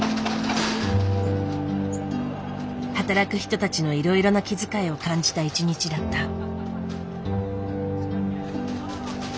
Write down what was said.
働く人たちのいろいろな気遣いを感じた一日だった。